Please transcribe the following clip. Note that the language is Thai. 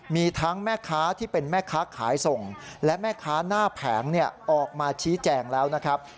มีทั้งแม่ค้าที่เป็นแม่ค้าขายส่งและแม่ค้าหน้าแผงออกมาชี้แจงแล้วนะครับ